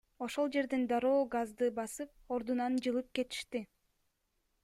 Ошол жерден дароо газды басып, ордунан жылып кетишти.